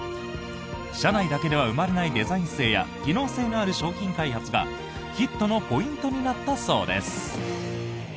社内だけでは生まれないデザイン性や機能性のある商品開発がヒットのポイントになったそうです。